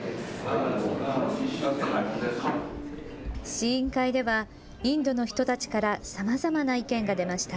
試飲会ではインドの人たちからさまざまな意見が出ました。